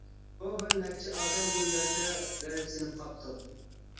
بۇ بىر نەچچە ئادەم بۇ يەردە غېرىبسىنىپ قاپتۇ.